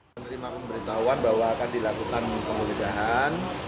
menerima pemberitahuan bahwa akan dilakukan penggeledahan